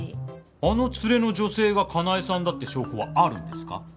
あの連れの女性がカナエさんだって証拠はあるんですか？